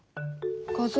画像？